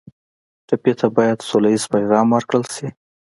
ټپي ته باید سوله ییز پیغام ورکړل شي.